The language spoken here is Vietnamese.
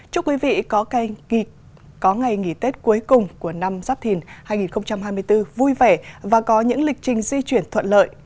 chúc quý vị có ngày nghỉ tết cuối cùng của năm giáp thìn hai nghìn hai mươi bốn vui vẻ và có những lịch trình di chuyển thuận lợi